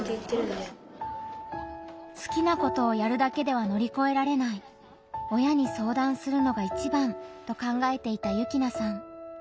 好きなことをやるだけでは乗り越えられない親に相談するのがいちばんと考えていた幸那さん。